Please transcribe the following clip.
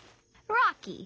ロッキー。